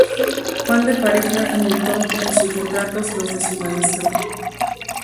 Juan de Pareja imitó en sus retratos los de su maestro.